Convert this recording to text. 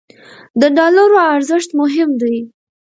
د ډالرو ارزښت مهم دی.